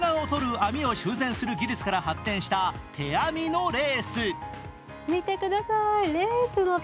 網を修繕する技術から発展した手編みのレース。